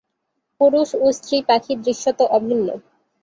পুরুষ ও স্ত্রী পাখি দৃশ্যত অভিন্ন।